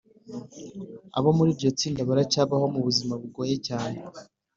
abo muri iryo tsinda baracyabaho mu buzima bugoye cyane.